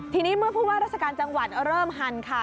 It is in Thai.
ทีนี้เมื่อผู้ว่าราชการจังหวัดเริ่มหั่นค่ะ